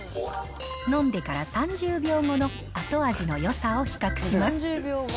飲んでから３０秒後の後味のよさを比較します。